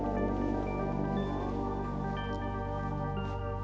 aku sampai udah selesai nih kak